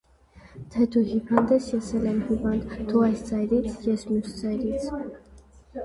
Թե դու հիվանդ ես, ես էլ եմ հիվանդ, դու այս ծայրից, ես մյուս ծայրից: